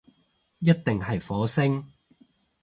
一定係火星